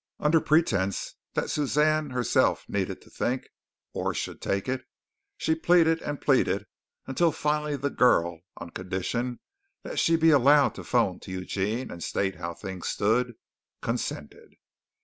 Under pretense that Suzanne herself needed time to think, or should take it, she pleaded and pleaded until finally the girl, on condition that she be allowed to phone to Eugene and state how things stood, consented.